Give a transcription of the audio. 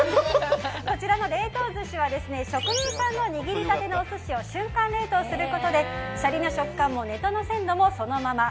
こちらの冷凍寿司は職人さんの握りたてのお寿司を瞬間冷凍することでシャリの食感もネタの鮮度もそのまま。